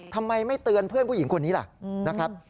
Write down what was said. ทำไมไม่เตือนเพื่อนผู้หญิงคนนี้ล่ะนะครับ